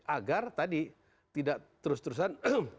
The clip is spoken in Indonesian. agar tadi tidak terus terusan